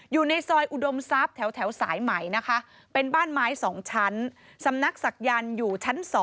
อยู่ในซอยอุดมทรัพย์แถวสายใหม่นะคะเป็นบ้านไม้๒ชั้นสำนักศักยันต์อยู่ชั้น๒